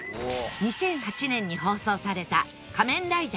２００８年に放送された『仮面ライダーキバ』